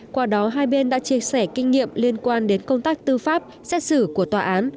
qua đó hai bên đã chia sẻ kinh nghiệm liên quan đến công tác tư pháp xét xử của tòa án